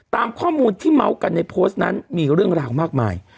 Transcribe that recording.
ตามข้อมูลที่เมาส์กันในโพสต์นั้นมีเรื่องราวมากมาย